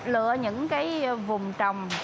lựa những cái vùng trồng